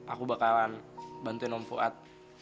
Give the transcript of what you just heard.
aku bakalan bantuin om fuad